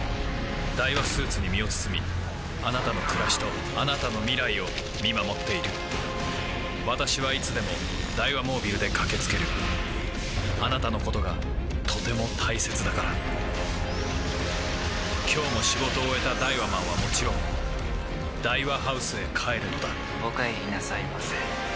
ダイワスーツに身を包みあなたの暮らしとあなたの未来を見守っている私はいつでもダイワモービルで駆け付けるあなたのことがとても大切だから今日も仕事を終えたダイワマンはもちろんダイワハウスへ帰るのだお帰りなさいませ。